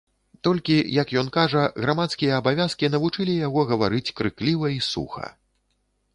Толькі, як ён кажа, грамадскія абавязкі навучылі яго гаварыць, крыкліва і суха.